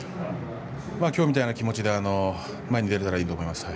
きょうみたいな気持ちで前に出られたらいいと思います。